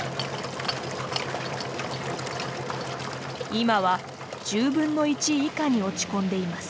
今は１０分の１以下に落ち込んでいます。